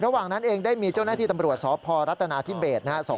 ระหว่างนั้นเองได้มีเจ้าหน้าที่ตำรวจสพรัฐนาธิเบสนะครับ